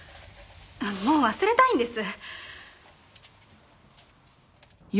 もう忘れたいんです！